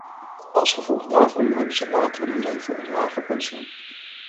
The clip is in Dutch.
Als gevolg daarvan hebben ze later in hun leven een lager pensioen.